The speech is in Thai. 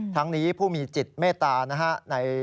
ทั้งนี้ผู้มีจิตเมตตานะฮะ